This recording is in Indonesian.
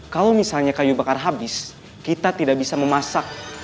kalau misalnya kayu bakar habis kita tidak bisa memasak